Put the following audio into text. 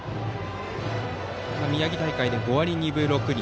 宮城大会では５割２分６厘。